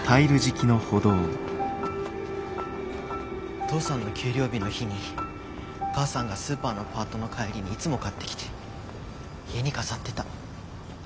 お父さんの給料日の日にお母さんがスーパーのパートの帰りにいつも買ってきて家に飾ってた。